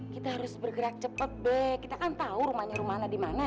kita harus bergerak cepet be kita kan tahu rumahnya rumana di mana